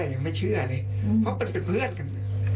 ก็แรกยังไม่เชื่อเลยเพราะเป็นเพื่อนกัน